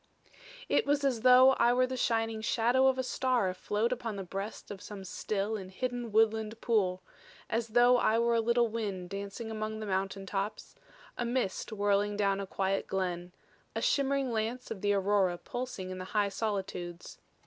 "It was as though I were the shining shadow of a star afloat upon the breast of some still and hidden woodland pool; as though I were a little wind dancing among the mountain tops; a mist whirling down a quiet glen; a shimmering lance of the aurora pulsing in the high solitudes.